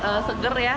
enak seger ya